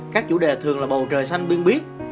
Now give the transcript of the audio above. các chủ đề thường là bầu trời xanh biên biết